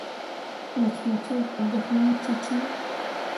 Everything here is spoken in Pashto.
مچمچۍ خپل دښمن چیچي